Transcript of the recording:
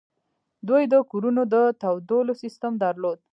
دوی د کورونو د تودولو سیستم درلود